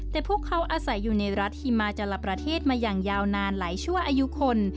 แต่พวกเขาอาศัยอยู่ในรัฐฮิมาจลประเทศมาอย่างยาวนานหลายชั่วอายุคน